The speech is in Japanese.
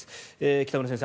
北村先生